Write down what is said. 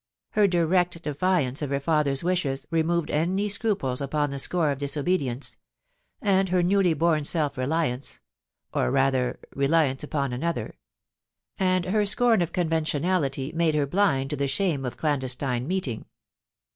Her direct defiance of her father's wishes removed any scruples upon the score of disobedience ; and her newly born self reliance — or rather, reliance upon another — and her scorn of conventionality, made her blind to the shame of a clan destine meeting.